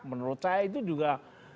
menurut saya itu juga